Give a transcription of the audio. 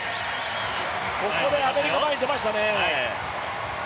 ここでアメリカ、前に出ましたね。